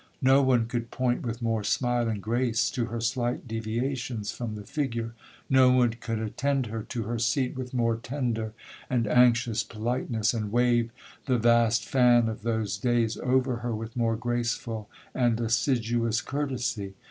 No one could point with more smiling grace to her slight deviations from the figure,—no one could attend her to her seat with more tender and anxious politeness, and wave the vast fan of those days over her with more graceful and assiduous courtesy.